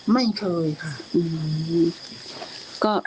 ไม่เคยค่ะ